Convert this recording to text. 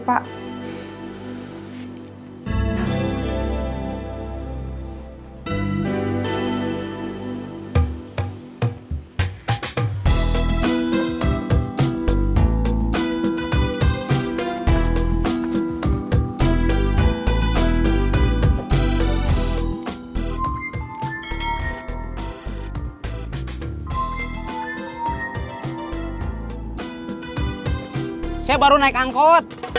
ada apa sih teh